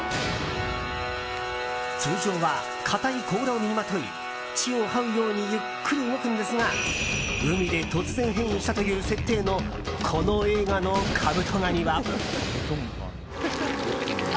通常は硬い甲羅を身にまとい地をはうようにゆっくり動くんですが海で突然変異したという設定のこの映画のカブトガニは。